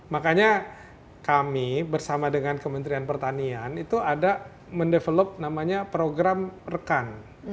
makanya kami bersama dengan kementerian pertanian itu ada mendevelop namanya program rekan